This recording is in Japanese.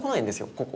ここ。